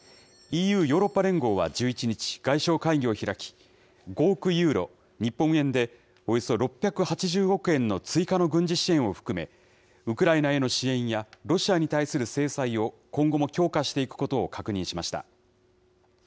ＥＵ・ヨーロッパ連合は１１日、外相会議を開き、５億ユーロ、日本円でおよそ６８０億円の追加の軍事支援を含め、ウクライナへの支援や、ロシアに対する制裁を今後も強化していくことを確認しました。